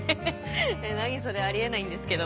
何それあり得ないんですけど。